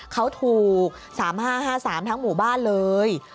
เขาถูก๓๕๕๓ทั้งหมู่บ้านเลย